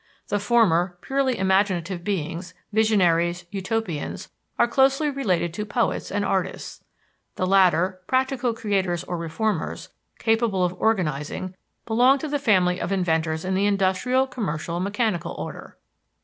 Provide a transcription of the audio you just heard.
The former, purely imaginative beings, visionaries, utopians, are closely related to poets and artists. The latter, practical creators or reformers, capable of organizing, belong to the family of inventors in the industrial commercial mechanical order.